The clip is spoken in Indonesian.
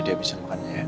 dia bisa makannya ya